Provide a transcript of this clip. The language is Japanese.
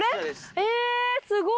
えすごい！